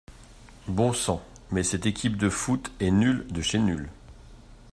Bon sang mais cette équipe de foot est nulle de chez nulle!